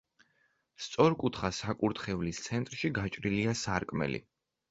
სწორკუთხა საკურთხევლის ცენტრში გაჭრილია სარკმელი.